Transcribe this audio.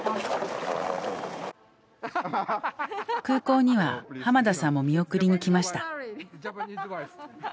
空港には浜田さんも見送りに来ました。